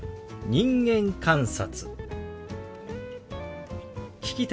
「人間観察」。